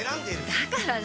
だから何？